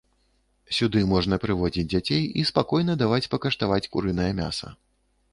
Сюды можна прыводзіць дзяцей і спакойна даваць пакаштаваць курынае мяса.